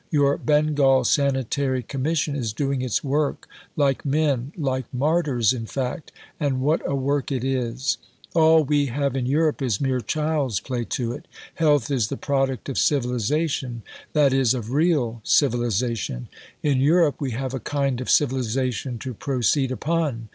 Your Bengal Sanitary Commission is doing its work, like men like martyrs, in fact, and what a work it is! All we have in Europe is mere child's play to it. Health is the product of civilization, i.e. of real civilization. In Europe we have a kind of civilization to proceed upon.